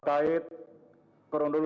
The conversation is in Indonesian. presiden abraham pauno